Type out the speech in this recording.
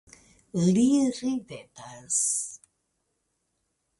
Li ridetas.